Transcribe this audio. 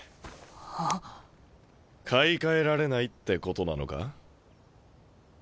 あ？買い替えられないってことなのか？